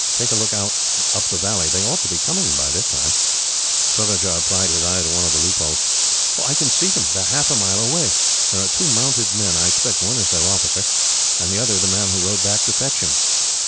"Take a look out up the valley. They ought to be coming by this time." Surajah applied his eye to one of the loopholes. "I can see them," he said. "They are half a mile away. There are two mounted men. I expect one is their officer, and the other the man who rode back to fetch them."